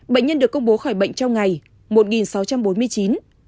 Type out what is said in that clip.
bệnh nhân được công bố khỏi bệnh trong ngày một sáu trăm bốn mươi chín